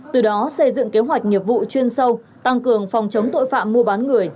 từ đó xây dựng kế hoạch nghiệp vụ chuyên sâu tăng cường phòng chống tội phạm mua bán người